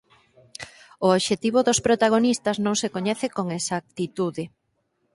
O obxectivo dos protagonistas non se coñece con exactitude.